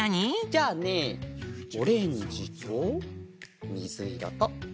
じゃあねオレンジとみずいろとみどり。